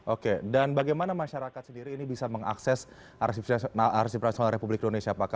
oke dan bagaimana masyarakat sendiri ini bisa mengakses arsip nasional republik indonesia pak